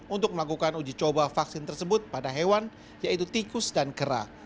untuk melakukan uji coba vaksin tersebut pada hewan yaitu tikus dan kerah